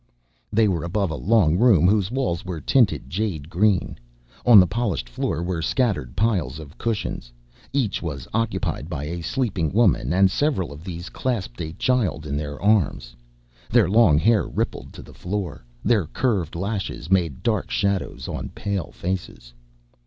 They were above a long room whose walls were tinted jade green. On the polished floor were scattered piles of cushions. Each was occupied by a sleeping woman and several of these clasped a child in their arms. Their long hair rippled to the floor, their curved lashes made dark shadows on pale faces.